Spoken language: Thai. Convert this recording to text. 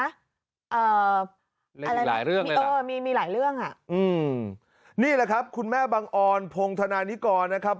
อ่ามีหลายเรื่องครับอืมนี่แหละครับคุณแม่บังอลโพงธนานิกรนะครับ